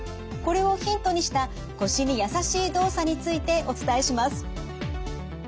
これをヒントにした腰に優しい動作についてお伝えします。